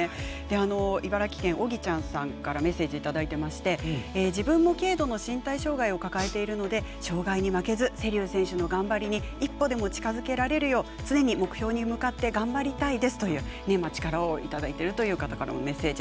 茨城県の方からメッセージいただいていまして自分も軽度の身体障害を抱えているので障がいに負けず瀬立選手の頑張りに一歩でも近づけるよう常に目標に向かって頑張りたいですという力をいただいてるという方からのメッセージ。